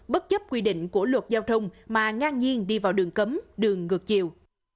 bất chấp quy định của luật giao thông mà ngang nhiên đi vào đường cấm đường ngược chiều